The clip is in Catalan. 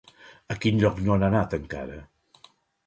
A quin lloc no han anat encara?